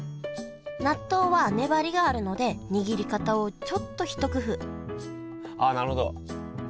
納豆は粘りがあるので握り方をちょっと一工夫ああなるほど。